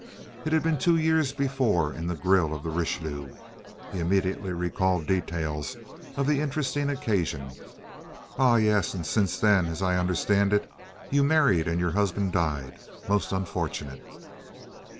It had been two years before in the grill of the Richelieu. He immediately recalled details of the interesting occasion. "Ah, yes, and since then, as I understand it, you married and your husband died. Most unfortunate."